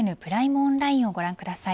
オンラインをご覧ください。